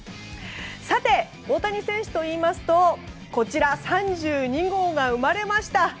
さて、大谷選手といいますと３２号が生まれました。